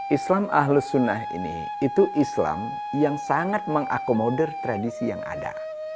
islam ahlus sunnah ini itu islam yang sangat mengakomodir tradisi yang ada